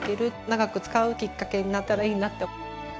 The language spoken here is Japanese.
長く使うきっかけになったらいいなと。